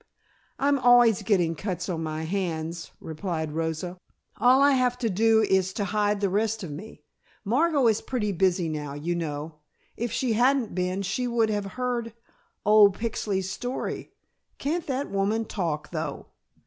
"I'm always getting cuts on my hands," replied Rosa. "All I have to do is to hide the rest of me. Margot is pretty busy now, you know. If she hadn't been she would have heard old Pixley's story. Can't that woman talk though?"